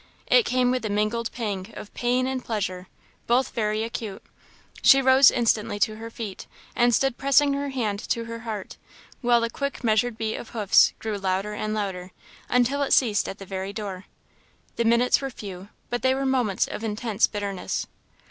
It came with a mingled pang of pain and pleasure, both very acute; she rose instantly to her feet, and stood pressing her hand to her heart, while the quick measured beat of hoofs grew louder and louder, until it ceased at the very door. The minutes were few; but they were moments of intense bitterness.